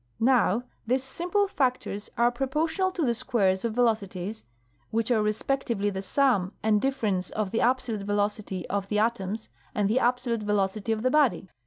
Now, these simple factors are propor tional to the squares of velocities, which are respectively the sum and difference of the absolute velocity of the atoms and the absolute veloc THE THEORY OF GRAVITATION. 155 ity of the body.